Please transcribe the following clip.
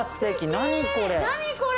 何これ！